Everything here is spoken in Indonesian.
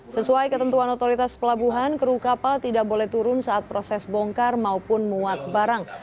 sesuai ketentuan otoritas pelabuhan kru kapal tidak boleh turun saat proses bongkar maupun muat barang